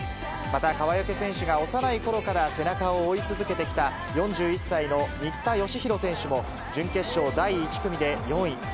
また川除選手が幼いころから背中を追い続けてきた、４１歳の新田佳浩選手も、準決勝第１組で４位。